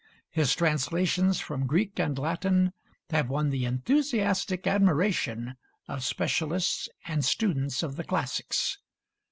His translations from Greek and Latin have won the enthusiastic admiration of specialists and students of the classics.